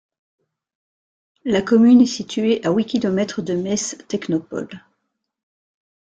La commune est située à huit kilomètres de Metz-Technopôle.